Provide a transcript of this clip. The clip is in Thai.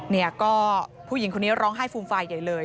เนี่ยก็ผู้หญิงคนนี้ร้องไห้ฟูมฟายใหญ่เลย